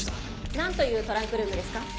何というトランクルームですか？